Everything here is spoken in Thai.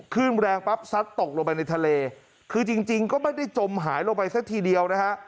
ขึ้นแรงปั๊บซัดตกลงไปในทะเลคือจริงจริงก็ไม่ได้จมหายลงไปซะทีเดียวนะฮะ